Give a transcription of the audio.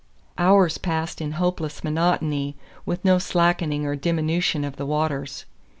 Hours passed in hopeless monotony, with no slackening or diminution of the waters.